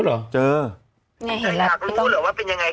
นึกลากรู้เหรอว่าเป็นยังไง